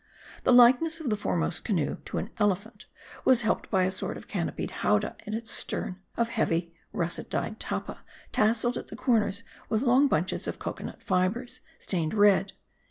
The likeness of the foremost canoe to an elephant, was helped by a sort of canopied Howdah in its stern, of heavy, russet dyed tappa, tasselled at the corners with long bunches of cocoanut fibres, stained red.